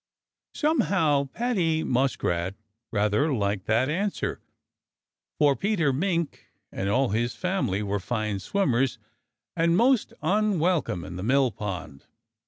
Somehow Paddy Muskrat rather liked that answer, for Peter Mink and all his family were fine swimmers and most unwelcome in the mill pond.